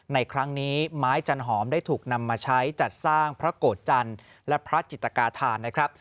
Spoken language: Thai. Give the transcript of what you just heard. ในครั้งนี้ไม้จันหอมได้ถูกนำมาใช้จัดสร้างพระโกรธจันทร์และพระจิตกาธานนะครับ